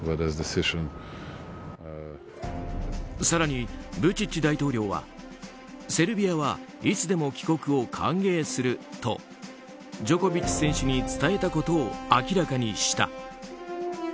更に、ブチッチ大統領はセルビアはいつでも帰国を歓迎するとジョコビッチ選手に伝えたことを明らかにした。